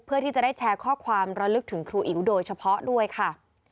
เพื่อที่จะได้แชร์ข้อความระลึกถึงครูอิ๋วโดยเฉพาะด้วยค่ะ